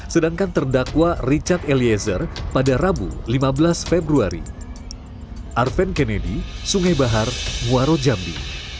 sedangkan terdakwa richard eliezer pada rabu lima belas februari